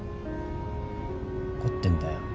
怒ってんだよ